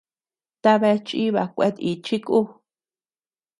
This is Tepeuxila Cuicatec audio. ¿Tabea chiba kuetíchi ku?